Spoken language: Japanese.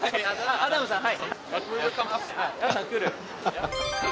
アダムさんはい。